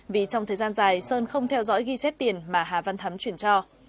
vì trong thời gian dài sơn không theo dõi ghi chép tiền mà hà văn thắm chuyển cho